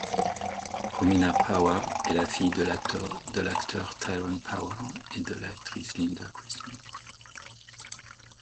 Romina Power est la fille de l'acteur Tyrone Power et de l'actrice Linda Christian.